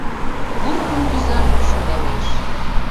Курыкым кӱза — шогалеш